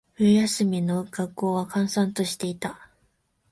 冬休みの学校は、閑散としていた。